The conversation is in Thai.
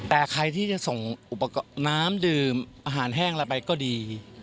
แต่ใครที่จะส่งอุปกรณ์น้ำดื่มอาหารแห้งอะไรไปก็ดี